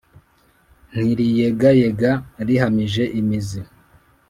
ntiriyegayega rihamije imizi.